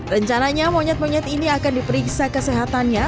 rencananya monyet monyet ini akan diperiksa kesehatannya